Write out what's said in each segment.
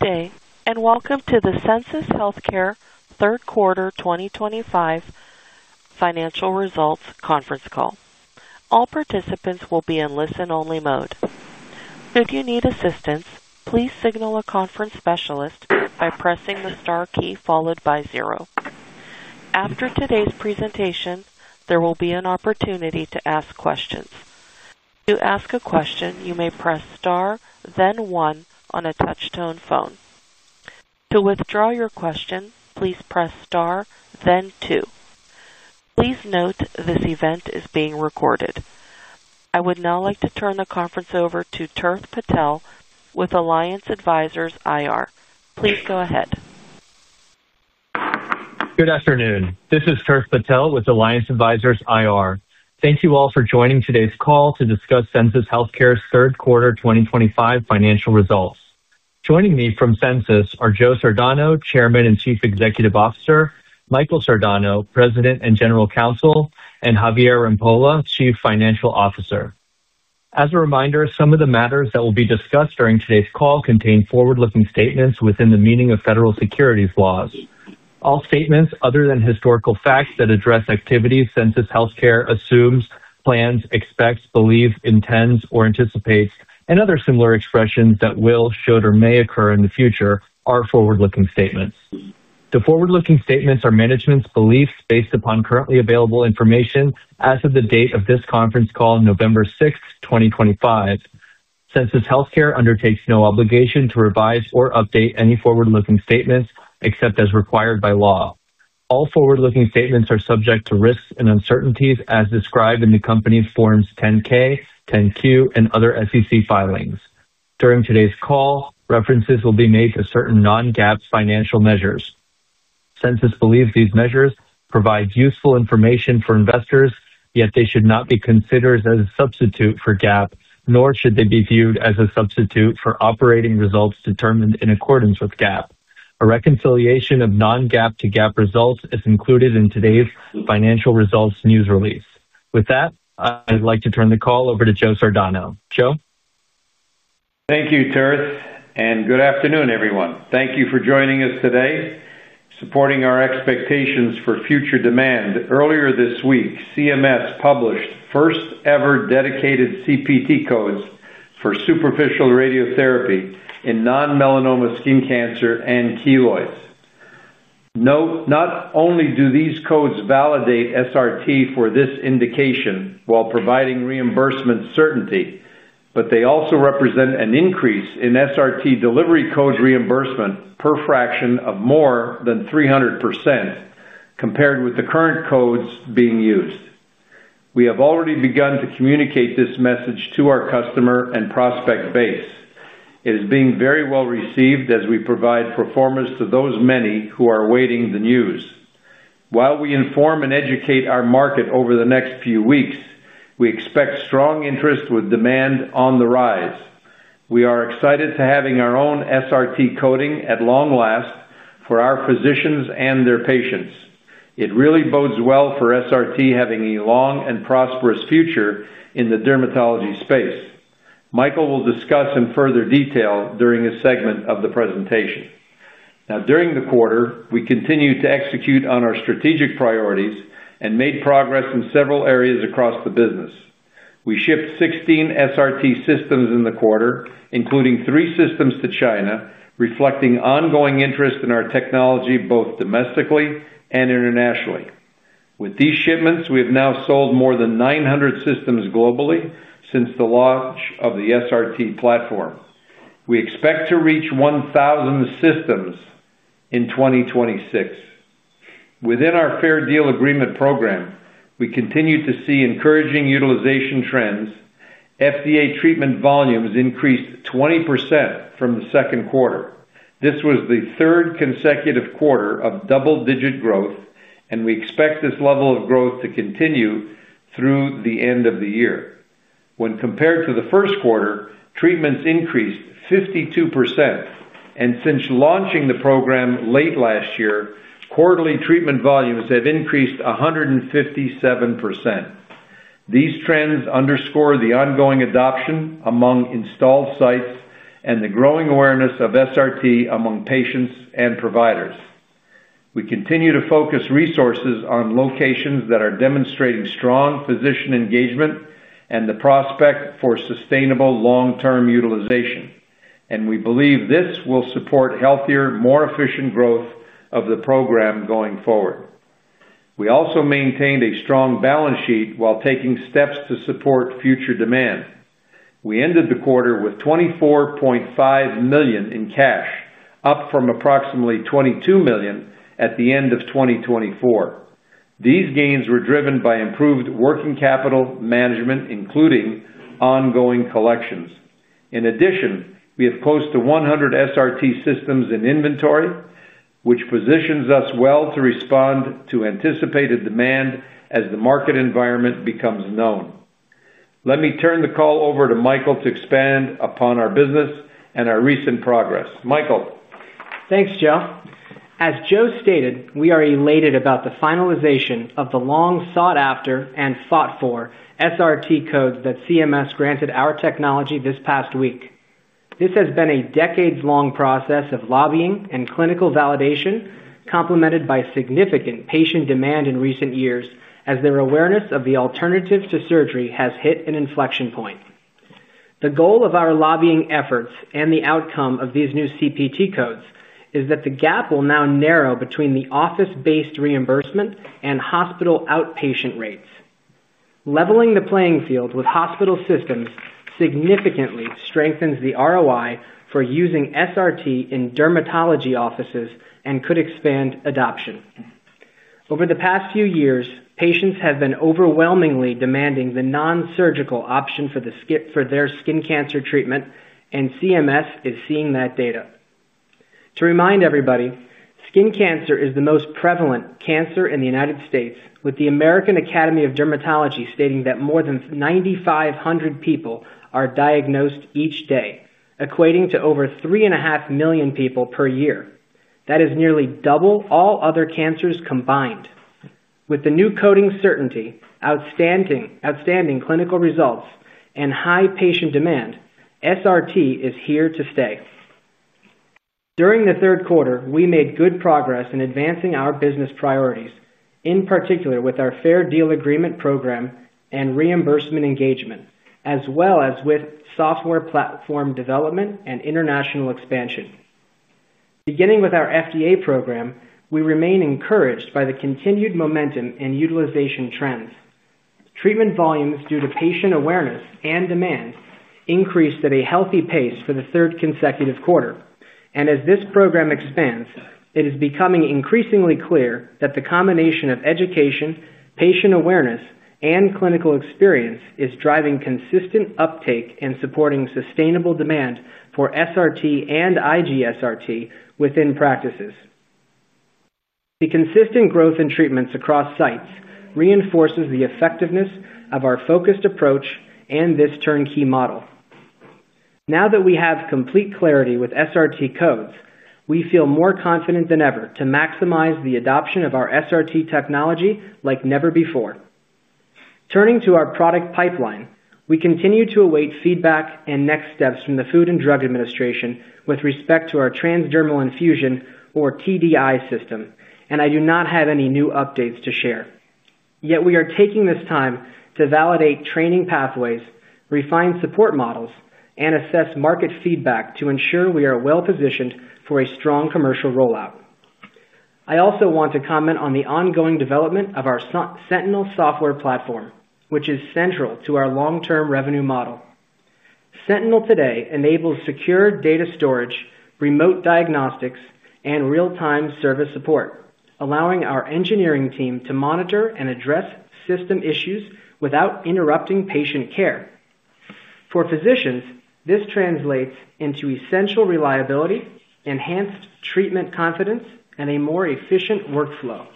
Good day and welcome to the Sensus Healthcare third quarter 2025 financial results conference call. All participants will be in listen-only mode. If you need assistance, please signal a conference specialist by pressing the star key followed by zero. After today's presentation, there will be an opportunity to ask questions. To ask a question, you may press star, then one on a touch-tone phone. To withdraw your question, please press star, then two. Please note this event is being recorded. I would now like to turn the conference over to Tirth Patel with Alliance Advisors IR. Please go ahead. Good afternoon. This is Tirth Patel with Alliance Advisors IR. Thank you all for joining today's call to discuss Sensus Healthcare's third quarter 2025 financial results. Joining me from Sensus are Joe Sardano, Chairman and Chief Executive Officer; Michael Sardano, President and General Counsel; and Javier Rampolla, Chief Financial Officer. As a reminder, some of the matters that will be discussed during today's call contain forward-looking statements within the meaning of federal securities laws. All statements other than historical facts that address activities Sensus Healthcare assumes, plans, expects, believes, intends, or anticipates, and other similar expressions that will, should, or may occur in the future are forward-looking statements. The forward-looking statements are management's beliefs based upon currently available information as of the date of this conference call, November 6th, 2025. Sensus Healthcare undertakes no obligation to revise or update any forward-looking statements except as required by law. All forward-looking statements are subject to risks and uncertainties as described in the company's Forms 10-K, 10-Q, and other SEC filings. During today's call, references will be made to certain non-GAAP financial measures. Sensus believes these measures provide useful information for investors, yet they should not be considered as a substitute for GAAP, nor should they be viewed as a substitute for operating results determined in accordance with GAAP. A reconciliation of non-GAAP to GAAP results is included in today's financial results news release. With that, I'd like to turn the call over to Joe Sardano. Joe. Thank you, Terri, and good afternoon, everyone. Thank you for joining us today. Supporting our expectations for future demand, earlier this week, CMS published first-ever dedicated CPT codes for superficial radiotherapy in non-melanoma skin cancer and keloids. Note not only do these codes validate SRT for this indication while providing reimbursement certainty, but they also represent an increase in SRT delivery code reimbursement per fraction of more than 300%. Compared with the current codes being used. We have already begun to communicate this message to our customer and prospect base. It is being very well-received as we provide pro formas to those many who are awaiting the news. While we inform and educate our market over the next few weeks, we expect strong interest with demand on the rise. We are excited to having our own SRT coding at long last for our physicians and their patients. It really bodes well for SRT having a long and prosperous future in the dermatology space. Michael will discuss in further detail during a segment of the presentation. Now, during the quarter, we continue to execute on our strategic priorities and made progress in several areas across the business. We shipped 16 SRT systems in the quarter, including three systems to China, reflecting ongoing interest in our technology both domestically and internationally. With these shipments, we have now sold more than 900 systems globally since the launch of the SRT platform. We expect to reach 1,000 systems in 2026. Within our Fair Deal Agreement program, we continue to see encouraging utilization trends. FDA treatment volumes increased 20% from the second quarter. This was the third consecutive quarter of double-digit growth, and we expect this level of growth to continue through the end of the year. When compared to the first quarter, treatments increased 52%. Since launching the program late last year, quarterly treatment volumes have increased 157%. These trends underscore the ongoing adoption among installed sites and the growing awareness of SRT among patients and providers. We continue to focus resources on locations that are demonstrating strong physician engagement and the prospect for sustainable long-term utilization, and we believe this will support healthier, more efficient growth of the program going forward. We also maintained a strong balance sheet while taking steps to support future demand. We ended the quarter with $24.5 million in cash, up from approximately $22 million at the end of 2024. These gains were driven by improved working capital management, including ongoing collections. In addition, we have close to 100 SRT systems in inventory, which positions us well to respond to anticipated demand as the market environment becomes known. Let me turn the call over to Michael to expand upon our business and our recent progress. Michael. Thanks, Joe. As Joe stated, we are elated about the finalization of the long-sought-after and fought-for SRT codes that CMS granted our technology this past week. This has been a decades-long process of lobbying and clinical validation complemented by significant patient demand in recent years as their awareness of the alternative to surgery has hit an inflection point. The goal of our lobbying efforts and the outcome of these new CPT codes is that the gap will now narrow between the office-based reimbursement and hospital outpatient rates. Leveling the playing field with hospital systems significantly strengthens the ROI for using SRT in dermatology offices and could expand adoption. Over the past few years, patients have been overwhelmingly demanding the non-surgical option for their skin cancer treatment, and CMS is seeing that data. To remind everybody, skin cancer is the most prevalent cancer in the United States, with the American Academy of Dermatology stating that more than 9,500 people are diagnosed each day, equating to over 3.5 million people per year. That is nearly double all other cancers combined. With the new coding certainty, outstanding clinical results, and high patient demand, SRT is here to stay. During the third quarter, we made good progress in advancing our business priorities, in particular with our Fair Deal Agreement program and reimbursement engagement, as well as with software platform development and international expansion. Beginning with our FDA program, we remain encouraged by the continued momentum in utilization trends. Treatment volumes due to patient awareness and demand increased at a healthy pace for the third consecutive quarter. As this program expands, it is becoming increasingly clear that the combination of education, patient awareness, and clinical experience is driving consistent uptake and supporting sustainable demand for SRT and IGSRT within practices. The consistent growth in treatments across sites reinforces the effectiveness of our focused approach and this turnkey model. Now that we have complete clarity with SRT codes, we feel more confident than ever to maximize the adoption of our SRT technology like never before. Turning to our product pipeline, we continue to await feedback and next steps from the Food and Drug Administration with respect to our transdermal infusion, or TDI, system, and I do not have any new updates to share. Yet we are taking this time to validate training pathways, refine support models, and assess market feedback to ensure we are well-positioned for a strong commercial rollout. I also want to comment on the ongoing development of our Sentinel software platform, which is central to our long-term revenue model. Sentinel today enables secure data storage, remote diagnostics, and real-time service support, allowing our engineering team to monitor and address system issues without interrupting patient care. For physicians, this translates into essential reliability, enhanced treatment confidence, and a more efficient workflow.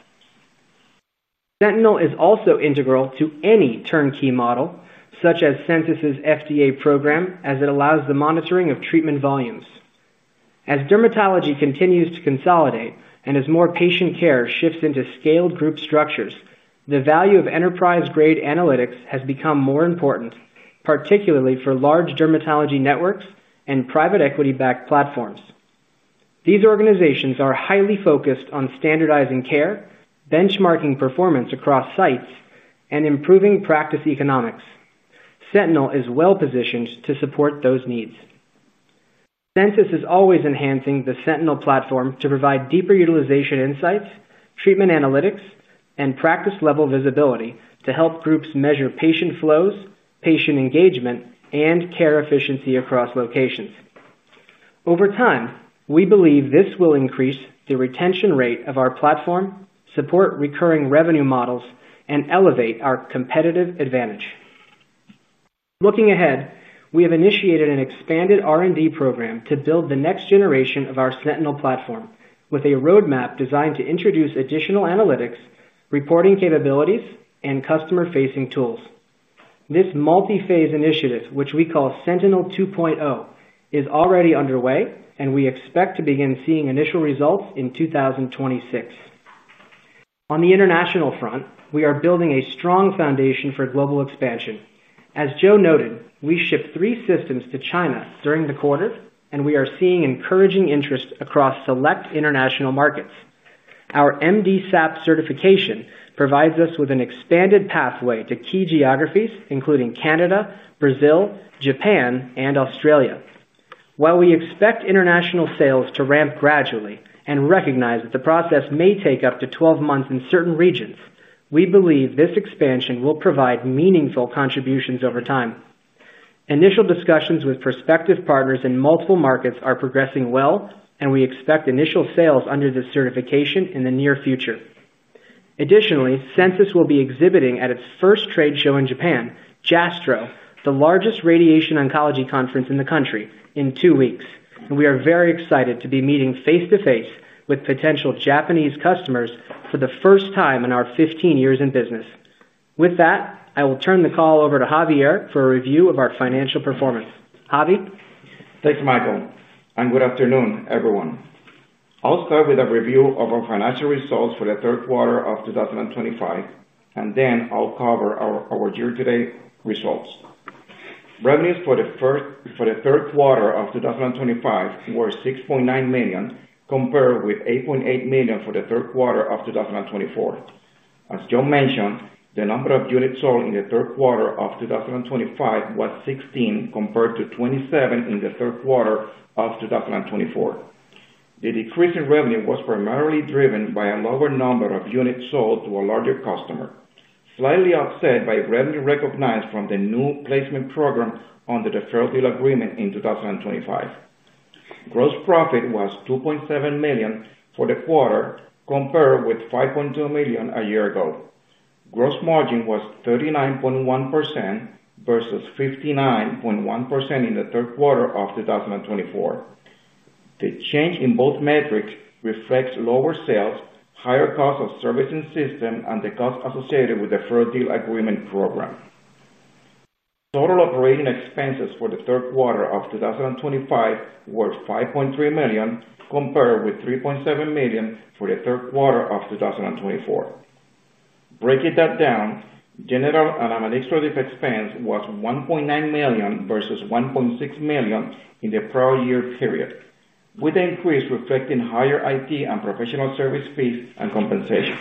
Sentinel is also integral to any turnkey model, such as Sensus's FDA program, as it allows the monitoring of treatment volumes. As dermatology continues to consolidate and as more patient care shifts into scaled group structures, the value of enterprise-grade analytics has become more important, particularly for large dermatology networks and private equity-backed platforms. These organizations are highly focused on standardizing care, benchmarking performance across sites, and improving practice economics. Sentinel is well-positioned to support those needs. Sensus is always enhancing the Sentinel platform to provide deeper utilization insights, treatment analytics, and practice-level visibility to help groups measure patient flows, patient engagement, and care efficiency across locations. Over time, we believe this will increase the retention rate of our platform, support recurring revenue models, and elevate our competitive advantage. Looking ahead, we have initiated an expanded R&D program to build the next generation of our Sentinel platform with a roadmap designed to introduce additional analytics, reporting capabilities, and customer-facing tools. This multi-phase initiative, which we call Sentinel 2.0, is already underway, and we expect to begin seeing initial results in 2026. On the international front, we are building a strong foundation for global expansion. As Joe noted, we shipped three systems to China during the quarter, and we are seeing encouraging interest across select international markets. Our MDSAP certification provides us with an expanded pathway to key geographies, including Canada, Brazil, Japan, and Australia. While we expect international sales to ramp gradually and recognize that the process may take up to 12 months in certain regions, we believe this expansion will provide meaningful contributions over time. Initial discussions with prospective partners in multiple markets are progressing well, and we expect initial sales under this certification in the near future. Additionally, Sensus will be exhibiting at its first trade show in Japan, JASTRO, the largest radiation oncology conference in the country, in two weeks, and we are very excited to be meeting face-to-face with potential Japanese customers for the first time in our 15 years in business. With that, I will turn the call over to Javier for a review of our financial performance. Javier. Thanks, Michael. Good afternoon, everyone. I'll start with a review of our financial results for the third quarter of 2025, and then I'll cover our year-to-date results. Revenues for the third quarter of 2025 were $6.9 million compared with $8.8 million for the third quarter of 2024. As Joe mentioned, the number of units sold in the third quarter of 2025 was 16 compared to 27 in the third quarter of 2024. The decrease in revenue was primarily driven by a lower number of units sold to a larger customer, slightly offset by revenue recognized from the new placement program under the Fair Deal Agreement in 2025. Gross profit was $2.7 million for the quarter compared with $5.2 million a year ago. Gross margin was 39.1% versus 59.1% in the third quarter of 2024. The change in both metrics reflects lower sales, higher cost of service and system, and the cost associated with the Fair Deal Agreement program. Total operating expenses for the third quarter of 2025 were $5.3 million compared with $3.7 million for the third quarter of 2024. Breaking that down, general and administrative expense was $1.9 million versus $1.6 million in the prior year period, with the increase reflecting higher IT and professional service fees and compensation.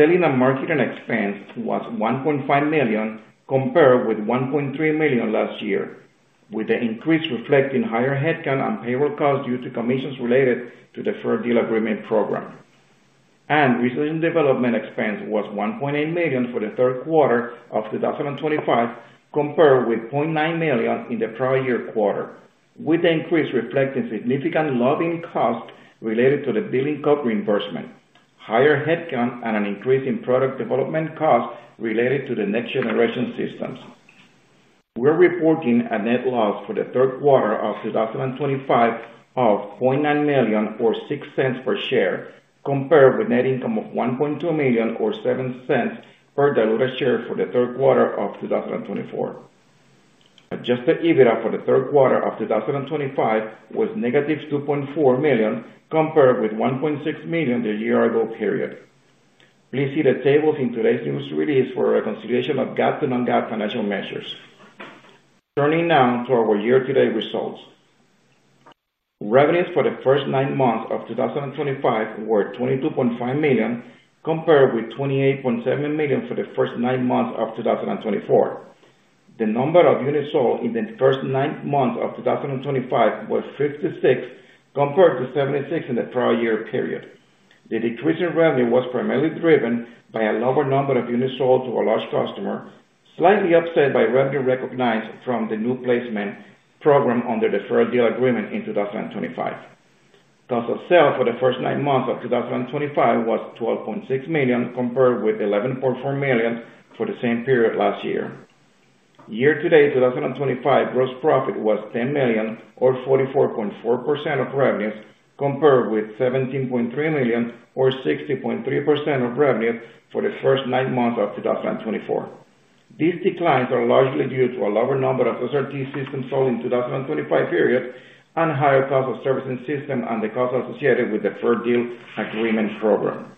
Selling and marketing expense was $1.5 million compared with $1.3 million last year, with the increase reflecting higher headcount and payroll costs due to commissions related to the Fair Deal Agreement program. Research and development expense was $1.8 million for the third quarter of 2025 compared with $0.9 million in the prior year quarter, with the increase reflecting significant lobbying costs related to the billing cut reimbursement, higher headcount, and an increase in product development costs related to the next-generation systems. We are reporting a net loss for the third quarter of 2025 of $0.9 million, or $0.06 per share, compared with net income of $1.2 million, or $0.07 per diluted share for the third quarter of 2024. Adjusted EBITDA for the third quarter of 2025 was negative $2.4 million compared with $1.6 million the year-ago period. Please see the tables in today's news release for reconciliation of GAAP to non-GAAP financial measures. Turning now to our year-to-date results. Revenues for the first nine months of 2025 were $22.5 million compared with $28.7 million for the first nine months of 2024. The number of units sold in the first nine months of 2025 was 56 compared to 76 in the prior year period. The decrease in revenue was primarily driven by a lower number of units sold to a large customer, slightly offset by revenue recognized from the new placement program under the Fair Deal Agreement in 2025. Cost of sale for the first nine months of 2025 was $12.6 million compared with $11.4 million for the same period last year. Year-to-date 2025 gross profit was $10 million, or 44.4% of revenues, compared with $17.3 million, or 60.3% of revenues for the first nine months of 2024. These declines are largely due to a lower number of SRT systems sold in the 2025 period and higher cost of service and system and the cost associated with the Fair Deal Agreement program.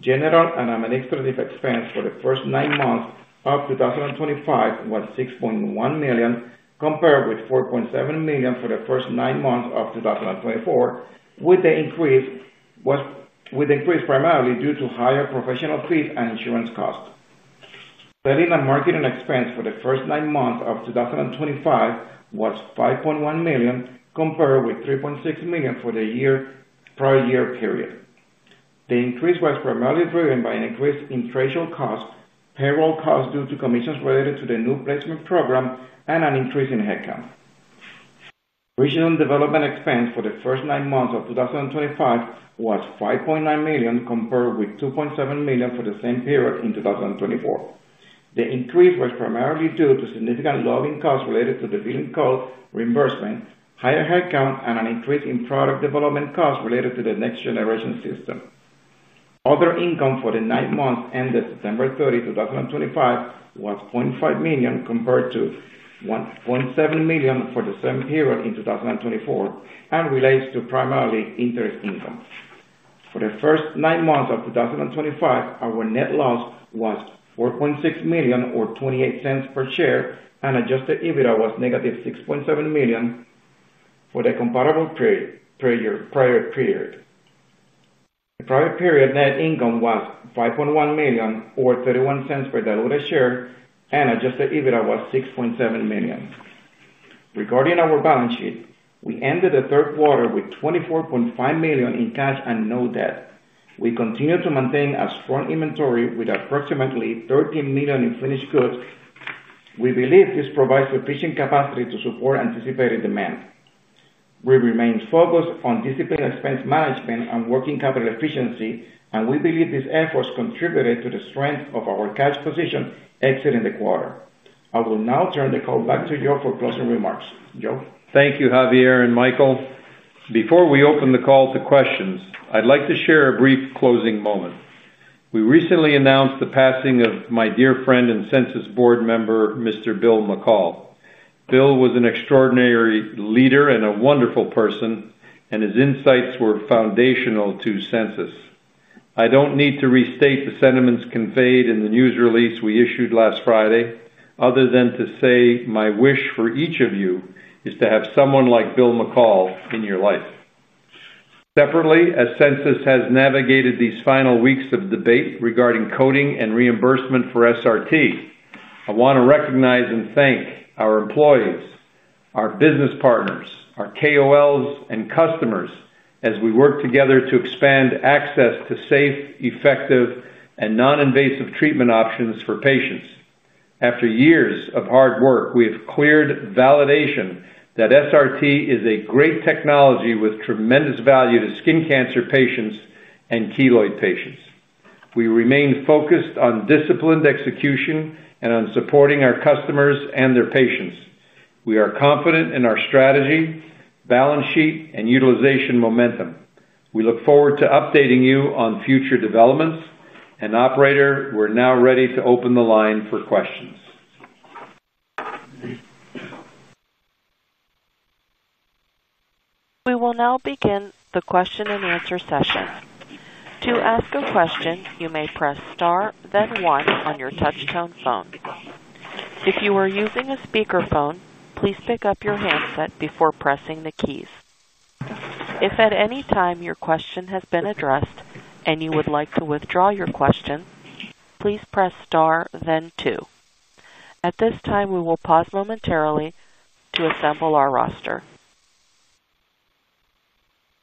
General and administrative expense for the first nine months of 2025 was $6.1 million compared with $4.7 million for the first nine months of 2024, with the increase primarily due to higher professional fees and insurance costs. Selling and marketing expense for the first nine months of 2025 was $5.1 million compared with $3.6 million for the prior year period. The increase was primarily driven by an increase in trade show costs, payroll costs due to commissions related to the new placement program, and an increase in headcount. Regional development expense for the first nine months of 2025 was $5.9 million compared with $2.7 million for the same period in 2024. The increase was primarily due to significant lobbying costs related to the billing cut reimbursement, higher headcount, and an increase in product development costs related to the next-generation system. Other income for the nine months ended September 30, 2025, was $0.5 million compared to $1.7 million for the same period in 2024 and relates to primarily interest income. For the first nine months of 2025, our net loss was $4.6 million, or $0.28 per share, and adjusted EBITDA was negative $6.7 million. For the comparable prior period, the prior period net income was $5.1 million, or $0.31 per diluted share, and adjusted EBITDA was $6.7 million. Regarding our balance sheet, we ended the third quarter with $24.5 million in cash and no debt. We continue to maintain a strong inventory with approximately $13 million in finished goods. We believe this provides sufficient capacity to support anticipated demand. We remain focused on disciplined expense management and working capital efficiency, and we believe these efforts contributed to the strength of our cash position exiting the quarter. I will now turn the call back to Joe for closing remarks. Joe. Thank you, Javier and Michael. Before we open the call to questions, I'd like to share a brief closing moment. We recently announced the passing of my dear friend and Sensus Board member, Mr. Bill McCall. Bill was an extraordinary leader and a wonderful person, and his insights were foundational to Sensus. I don't need to restate the sentiments conveyed in the news release we issued last Friday other than to say my wish for each of you is to have someone like Bill McCall in your life. Separately, as Sensus has navigated these final weeks of debate regarding coding and reimbursement for SRT, I want to recognize and thank our employees, our business partners, our KOLs, and customers as we work together to expand access to safe, effective, and non-invasive treatment options for patients. After years of hard work, we have cleared validation that SRT is a great technology with tremendous value to skin cancer patients and keloid patients. We remain focused on disciplined execution and on supporting our customers and their patients. We are confident in our strategy, balance sheet, and utilization momentum. We look forward to updating you on future developments, and operator, we're now ready to open the line for questions. We will now begin the question-and-answer session. To ask a question, you may press star, then one on your touch-tone phone. If you are using a speakerphone, please pick up your handset before pressing the keys. If at any time your question has been addressed and you would like to withdraw your question, please press star, then two. At this time, we will pause momentarily to assemble our roster.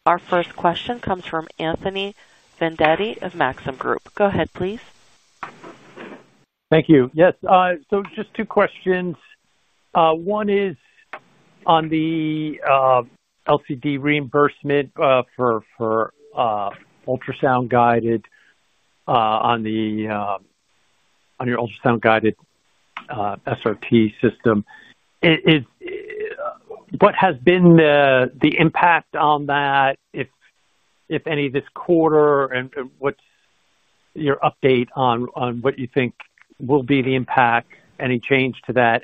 Our first question comes from Anthony Vendetti of Maxim Group. Go ahead, please. Thank you. Yes. So just two questions. One is. On the LCD reimbursement for ultrasound-guided, on your ultrasound-guided SRT system. What has been the impact on that, if any, this quarter? What's your update on what you think will be the impact, any change to that?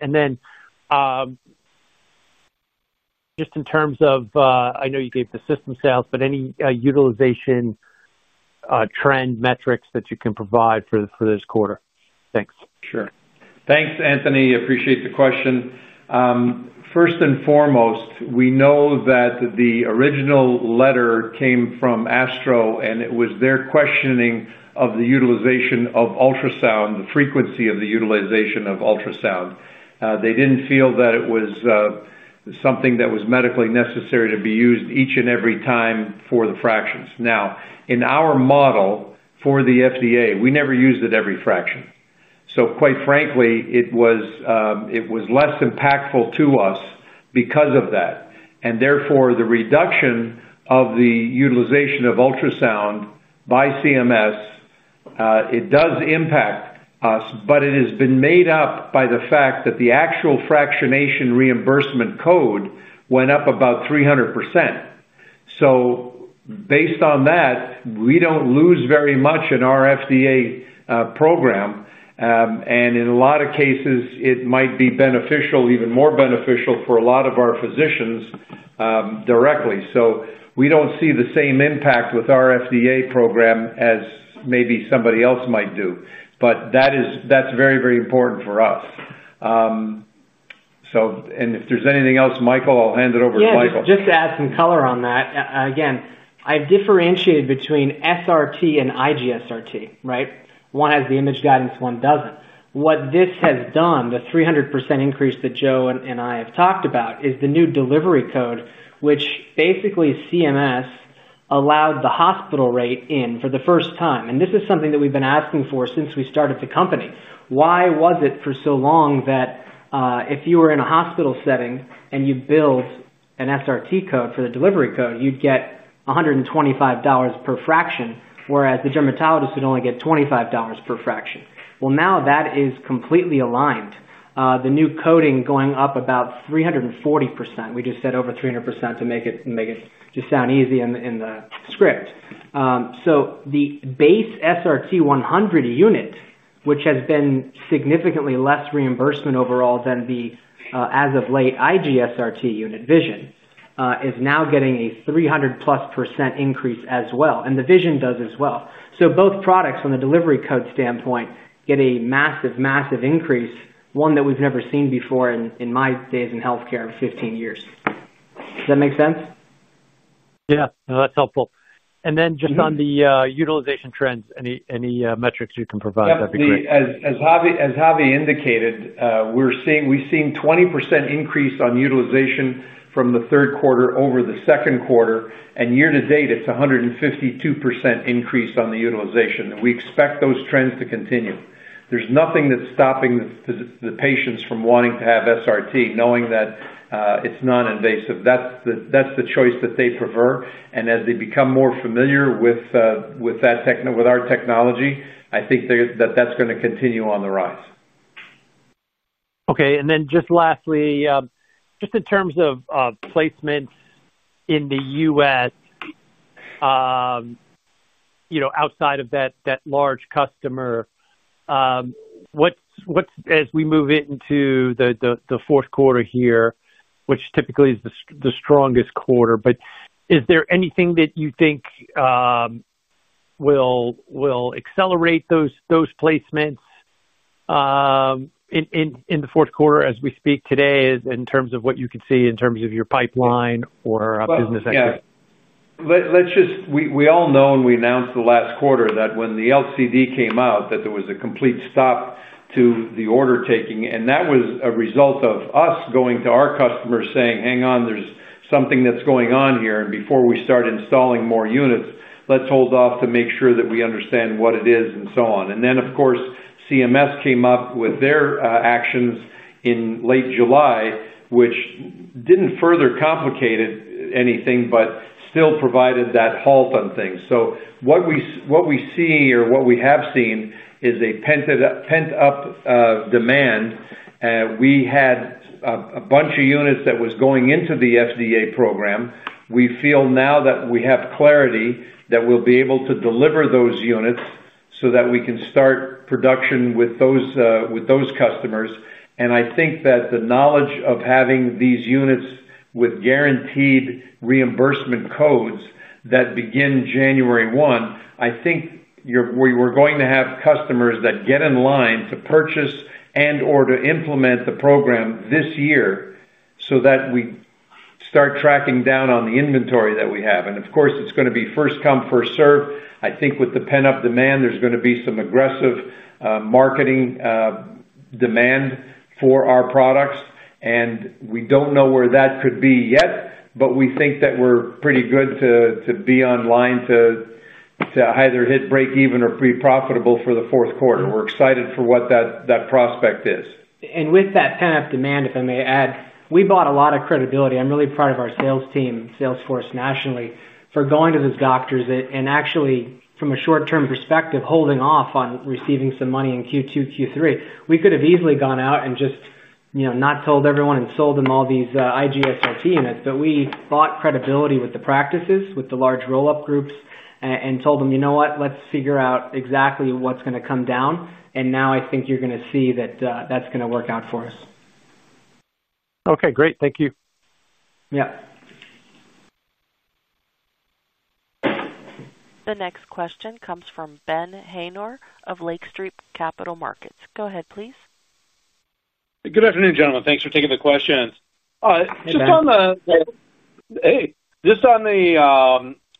Just in terms of, I know you gave the system sales, but any utilization trend metrics that you can provide for this quarter? Thanks. Sure. Thanks, Anthony. Appreciate the question. First and foremost, we know that the original letter came from ASTRO, and it was their questioning of the utilization of ultrasound, the frequency of the utilization of ultrasound. They didn't feel that it was something that was medically necessary to be used each and every time for the fractions. Now, in our model for the FDA, we never used it every fraction. So quite frankly, it was less impactful to us because of that. Therefore, the reduction of the utilization of ultrasound by CMS does impact us, but it has been made up by the fact that the actual fractionation reimbursement code went up about 300%. Based on that, we don't lose very much in our FDA program. In a lot of cases, it might be beneficial, even more beneficial for a lot of our physicians directly. We do not see the same impact with our FDA program as maybe somebody else might do. That is very, very important for us. If there is anything else, Michael, I will hand it over to Michael. Yes. Just to add some color on that, again, I've differentiated between SRT and IGSRT, right? One has the image guidance, one doesn't. What this has done, the 300% increase that Joe and I have talked about, is the new delivery code, which basically CMS allowed the hospital rate in for the first time. This is something that we've been asking for since we started the company. Why was it for so long that if you were in a hospital setting and you billed an SRT code for the delivery code, you'd get $125 per fraction, whereas the dermatologist would only get $25 per fraction? Now that is completely aligned. The new coding going up about 340%. We just said over 300% to make it just sound easy in the script. The base SRT-100 unit, which has been significantly less reimbursement overall than the, as of late, IGSRT unit, Vision, is now getting a 300%+ increase as well. The Vision does as well. Both products, from the delivery code standpoint, get a massive, massive increase, one that we've never seen before in my days in healthcare in 15 years. Does that make sense? Yeah. No, that's helpful. Then just on the utilization trends, any metrics you can provide, that'd be great. Certainly, as Javi indicated, we're seeing a 20% increase on utilization from the third quarter over the second quarter. Year-to-date, it's a 152% increase on the utilization. We expect those trends to continue. There's nothing that's stopping the patients from wanting to have SRT, knowing that it's non-invasive. That's the choice that they prefer. As they become more familiar with our technology, I think that that's going to continue on the rise. Okay. Lastly, just in terms of placement in the U.S., outside of that large customer, as we move into the fourth quarter here, which typically is the strongest quarter, is there anything that you think will accelerate those placements in the fourth quarter as we speak today in terms of what you can see in terms of your pipeline or business activity? Yeah. We all know and we announced the last quarter that when the LCD came out, that there was a complete stop to the order taking. That was a result of us going to our customers saying, "Hang on, there's something that's going on here." Before we start installing more units, let's hold off to make sure that we understand what it is and so on. Of course, CMS came up with their actions in late July, which did not further complicate anything but still provided that halt on things. What we see or what we have seen is a pent-up demand. We had a bunch of units that was going into the FDA program. We feel now that we have clarity that we'll be able to deliver those units so that we can start production with those customers. I think that the knowledge of having these units with guaranteed reimbursement codes that begin January 1, I think we're going to have customers that get in line to purchase and/or to implement the program this year so that we start tracking down on the inventory that we have. Of course, it's going to be first-come, first-serve. I think with the pent-up demand, there's going to be some aggressive marketing demand for our products. We don't know where that could be yet, but we think that we're pretty good to be on line to either hit break-even or be profitable for the fourth quarter. We're excited for what that prospect is. With that pent-up demand, if I may add, we bought a lot of credibility. I'm really proud of our sales team, Salesforce nationally, for going to those doctors and actually, from a short-term perspective, holding off on receiving some money in Q2, Q3. We could have easily gone out and just not told everyone and sold them all these IGSRT units. We bought credibility with the practices, with the large roll-up groups, and told them, "You know what? Let's figure out exactly what's going to come down." Now I think you're going to see that that's going to work out for us. Okay. Great. Thank you. Yeah. The next question comes from Ben Haynor of Lake Street Capital Markets. Go ahead, please. Good afternoon, gentlemen. Thanks for taking the questions. Just on the. Hey.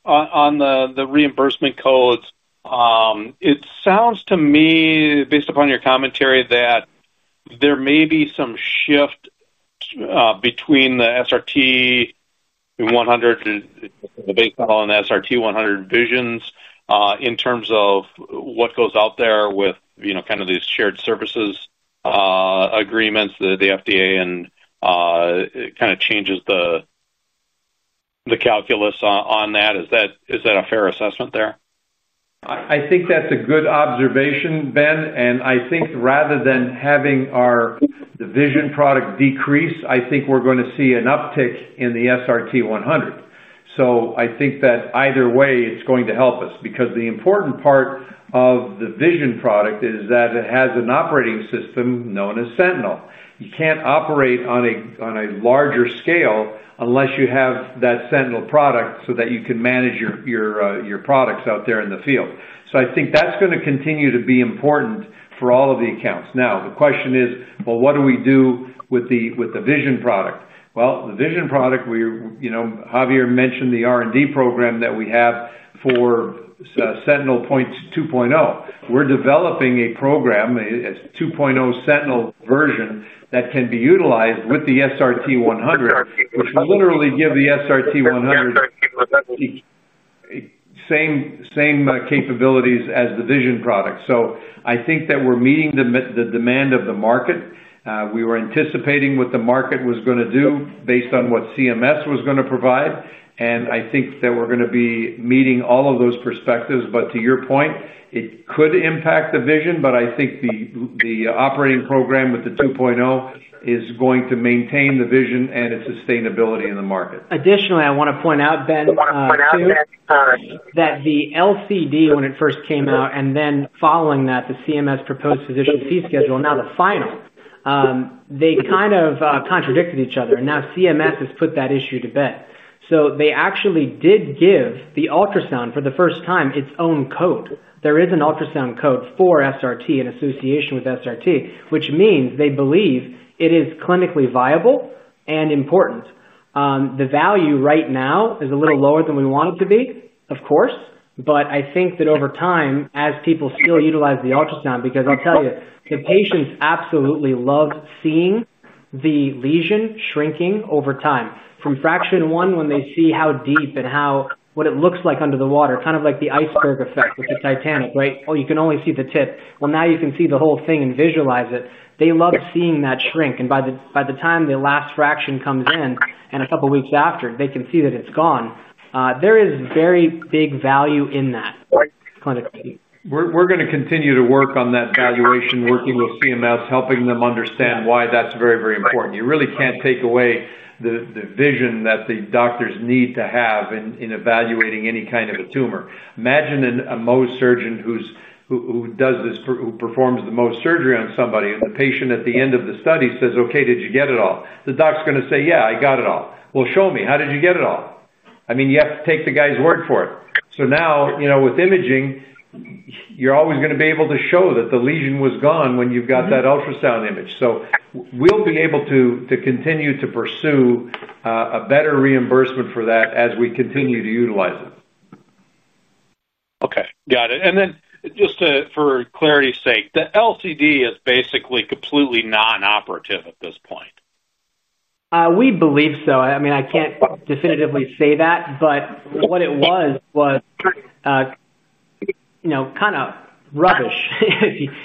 Just on the reimbursement codes. It sounds to me, based upon your commentary, that there may be some shift between the SRT-100, the base model, and the SRT-100 Vision in terms of what goes out there with kind of these shared services agreements, that the FDA kind of changes the calculus on that. Is that a fair assessment there? I think that's a good observation, Ben. I think rather than having our Vision product decrease, I think we're going to see an uptick in the SRT-100. I think that either way, it's going to help us because the important part of the Vision product is that it has an operating system known as Sentinel. You can't operate on a larger scale unless you have that Sentinel product so that you can manage your products out there in the field. I think that's going to continue to be important for all of the accounts. The question is, what do we do with the Vision product? The Vision product, Javier mentioned the R&D program that we have for Sentinel 2.0. We're developing a program, a 2.0 Sentinel version that can be utilized with the SRT-100, which will literally give the SRT-100. Same capabilities as the Vision product. I think that we're meeting the demand of the market. We were anticipating what the market was going to do based on what CMS was going to provide. I think that we're going to be meeting all of those perspectives. To your point, it could impact the Vision, but I think the operating program with the 2.0 is going to maintain the Vision and its sustainability in the market. Additionally, I want to point out, Ben. I want to point out, Ben that the LCD, when it first came out, and then following that, the CMS proposed physician fee schedule, now the final. They kind of contradicted each other. Now CMS has put that issue to bed. They actually did give the ultrasound for the first time its own code. There is an ultrasound code for SRT in association with SRT, which means they believe it is clinically viable and important. The value right now is a little lower than we want it to be, of course. I think that over time, as people still utilize the ultrasound, because I'll tell you, the patients absolutely love seeing the lesion shrinking over time. From fraction one, when they see how deep and what it looks like under the water, kind of like the iceberg effect with the Titanic, right? Oh, you can only see the tip. You can see the whole thing and visualize it. They love seeing that shrink. By the time the last fraction comes in and a couple of weeks after, they can see that it is gone. There is very big value in that. We're going to continue to work on that valuation, working with CMS, helping them understand why that's very, very important. You really can't take away the vision that the doctors need to have in evaluating any kind of a tumor. Imagine a Mohs surgeon who does this, who performs the Mohs surgery on somebody, and the patient at the end of the study says, "Okay, did you get it all?" The doc's going to say, "Yeah, I got it all." Well, show me. How did you get it all? I mean, you have to take the guy's word for it. Now, with imaging, you're always going to be able to show that the lesion was gone when you've got that ultrasound image. We'll be able to continue to pursue a better reimbursement for that as we continue to utilize it. Okay. Got it. And then just for clarity's sake, the LCD is basically completely non-operative at this point? We believe so. I mean, I can't definitively say that, but what it was was kind of rubbish,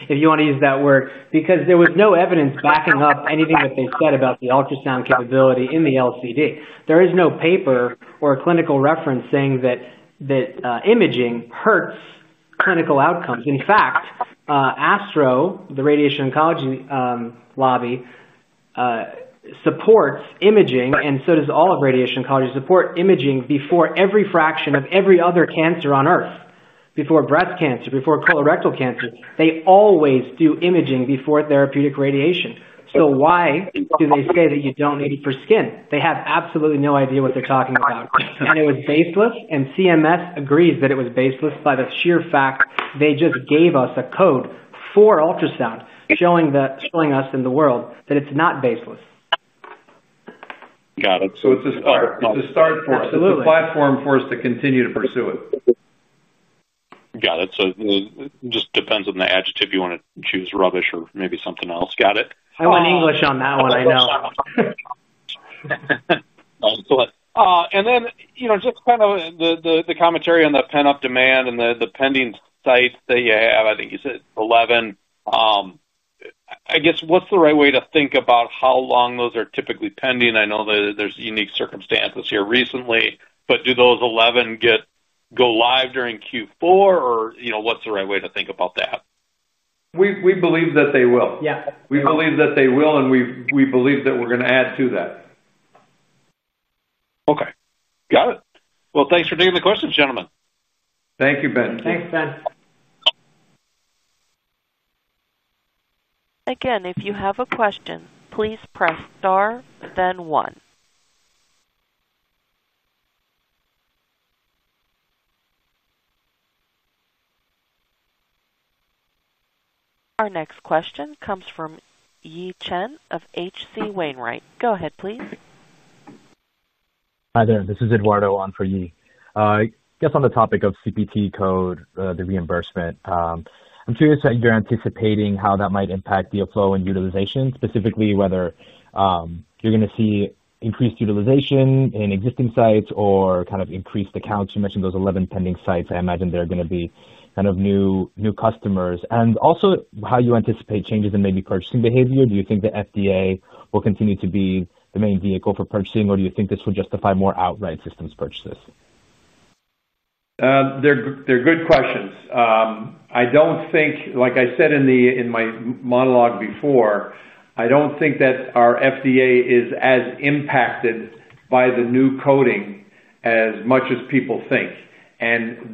if you want to use that word, because there was no evidence backing up anything that they said about the ultrasound capability in the LCD. There is no paper or clinical reference saying that imaging hurts clinical outcomes. In fact, ASTRO, the radiation oncology lobby, supports imaging, and so does all of radiation oncology, support imaging before every fraction of every other cancer on Earth, before breast cancer, before colorectal cancer. They always do imaging before therapeutic radiation. Why do they say that you don't need it for skin? They have absolutely no idea what they're talking about. It was baseless. CMS agrees that it was baseless by the sheer fact they just gave us a code for ultrasound showing us in the world that it's not baseless. Got it. It's a start for us. Absolutely. It's a platform for us to continue to pursue it. Got it. It just depends on the adjective you want to choose, rubbish or maybe something else. Got it. I want English on that one, I know. Go ahead. And then just kind of the commentary on the pent-up demand and the pending sites that you have, I think you said 11. I guess what's the right way to think about how long those are typically pending? I know that there's unique circumstances here recently, but do those 11 go live during Q4, or what's the right way to think about that? We believe that they will. Yeah. We believe that they will, and we believe that we're going to add to that. Okay. Got it. Thanks for taking the questions, gentlemen. Thank you, Ben. Thanks, Ben. Again, if you have a question, please press star, then one. Our next question comes from Yi Chen of H.C. Wainwright. Go ahead, please. Hi there. This is Eduardo on for Yi. I guess on the topic of CPT code, the reimbursement, I'm curious how you're anticipating how that might impact the flow and utilization, specifically whether you're going to see increased utilization in existing sites or kind of increased accounts. You mentioned those 11 pending sites. I imagine there are going to be kind of new customers. And also how you anticipate changes in maybe purchasing behavior. Do you think the FDA will continue to be the main vehicle for purchasing, or do you think this will justify more outright systems purchases? They're good questions. I don't think, like I said in my monologue before, I don't think that our FDA is as impacted by the new coding as much as people think.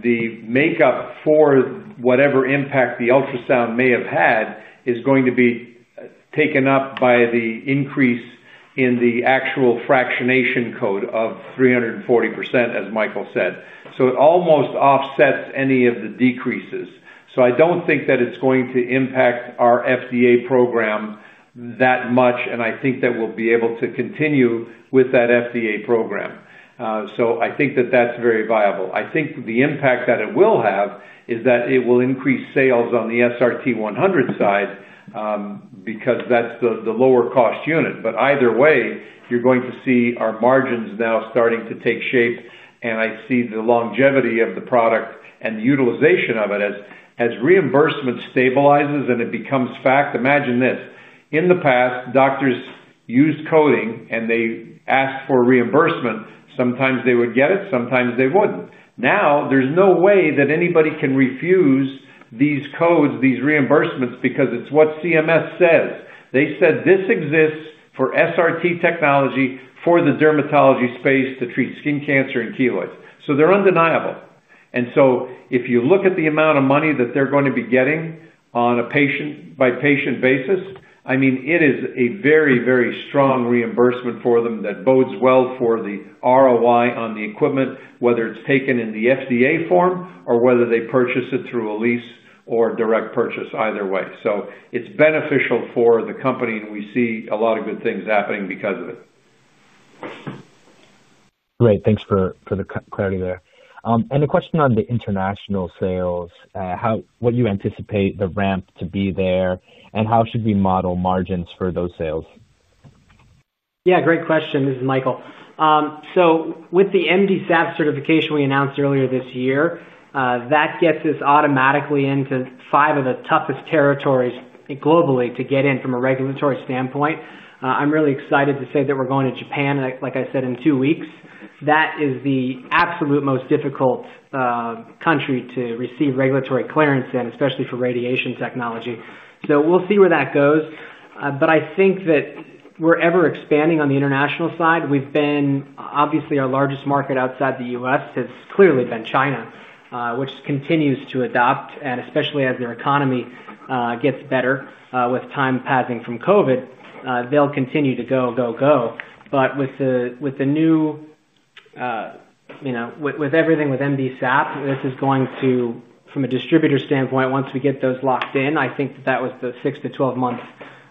The makeup for whatever impact the ultrasound may have had is going to be taken up by the increase in the actual fractionation code of 340%, as Michael said. It almost offsets any of the decreases. I don't think that it's going to impact our FDA program that much, and I think that we'll be able to continue with that FDA program. I think that that's very viable. I think the impact that it will have is that it will increase sales on the SRT-100 side, because that's the lower-cost unit. Either way, you're going to see our margins now starting to take shape. I see the longevity of the product and the utilization of it as reimbursement stabilizes and it becomes fact. Imagine this. In the past, doctors used coding, and they asked for reimbursement. Sometimes they would get it. Sometimes they would not. Now, there is no way that anybody can refuse these codes, these reimbursements, because it is what CMS says. They said this exists for SRT technology for the dermatology space to treat skin cancer and keloids. They are undeniable. If you look at the amount of money that they are going to be getting on a patient-by-patient basis, I mean, it is a very, very strong reimbursement for them that bodes well for the ROI on the equipment, whether it is taken in the FDA form or whether they purchase it through a lease or direct purchase, either way. It's beneficial for the company, and we see a lot of good things happening because of it. Great. Thanks for the clarity there. The question on the international sales, what do you anticipate the ramp to be there, and how should we model margins for those sales? Yeah. Great question. This is Michael. So with the MDSAP certification we announced earlier this year, that gets us automatically into five of the toughest territories globally to get in from a regulatory standpoint. I'm really excited to say that we're going to Japan, like I said, in two weeks. That is the absolute most difficult country to receive regulatory clearance in, especially for radiation technology. We'll see where that goes. I think that we're ever expanding on the international side. Obviously, our largest market outside the U.S. has clearly been China, which continues to adopt. Especially as their economy gets better with time passing from COVID, they'll continue to go, go, go. With the new. With everything with MDSAP, this is going to, from a distributor standpoint, once we get those locked in, I think that that was the 6-12 month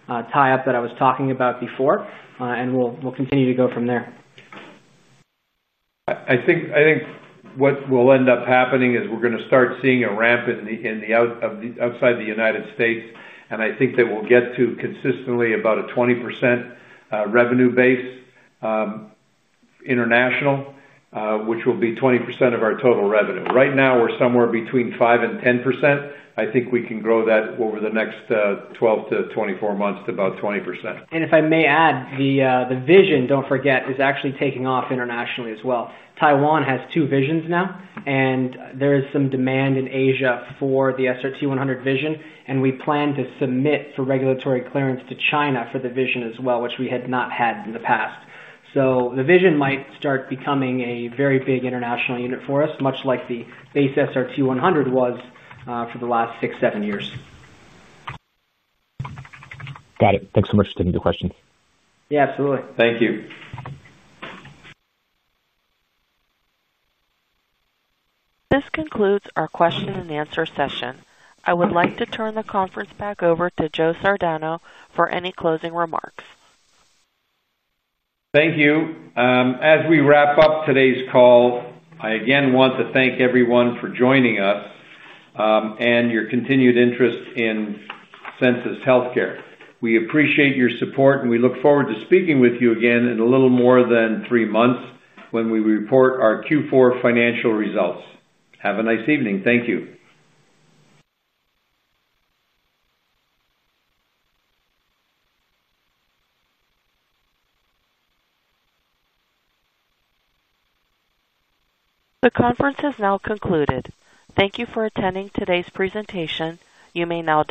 tie-up that I was talking about before. We'll continue to go from there. I think what will end up happening is we're going to start seeing a ramp outside the U.S. I think that we'll get to consistently about a 20% revenue base international, which will be 20% of our total revenue. Right now, we're somewhere between 5-10%. I think we can grow that over the next 12-24 months to about 20%. If I may add, the Vision, do not forget, is actually taking off internationally as well. Taiwan has two Visions now, and there is some demand in Asia for the SRT-100 Vision. We plan to submit for regulatory clearance to China for the Vision as well, which we had not had in the past. The Vision might start becoming a very big international unit for us, much like the base SRT-100 was for the last six or seven years. Got it. Thanks so much for taking the questions. Yeah, absolutely. Thank you. This concludes our question-and-answer session. I would like to turn the conference back over to Joe Sardano for any closing remarks. Thank you. As we wrap up today's call, I again want to thank everyone for joining us. Your continued interest in Sensus Healthcare. We appreciate your support, and we look forward to speaking with you again in a little more than three months when we report our Q4 financial results. Have a nice evening. Thank you. The conference has now concluded. Thank you for attending today's presentation. You may now.